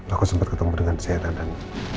aku sempat ketemu dengan sienna dan